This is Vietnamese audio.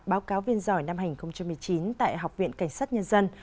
báo cáo viên giỏi năm hai nghìn một mươi chín tại học viện cảnh sát nhân dân